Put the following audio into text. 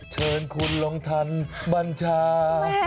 เชิญคุณลงทันบัญชา